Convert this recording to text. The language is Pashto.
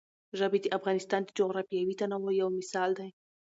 ژبې د افغانستان د جغرافیوي تنوع یو مثال دی.